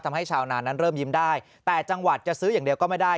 ทำให้ชาวนานนั้นเริ่มยิ้มได้แต่จังหวัดจะซื้ออย่างเดียวก็ไม่ได้